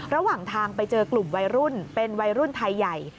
ระหว่างทางไปเจอกลุ่มวัยรุ่นเป็นวัยรุ่นไทยใหญ่